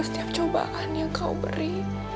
setiap cobaan yang kau beri